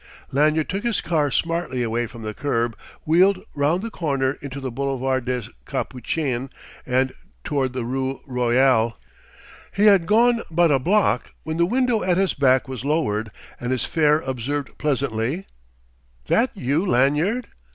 Lanyard took his car smartly away from the curb, wheeled round the corner into the boulevard des Capucines, and toward the rue Royale. He had gone but a block when the window at his back was lowered and his fare observed pleasantly: "That you, Lanyard?"